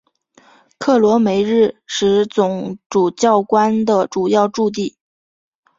克罗梅日什总主教宫的主要驻地。